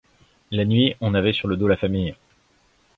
La nuit, on avait sur le dos la famille.